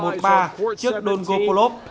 trước don gopulov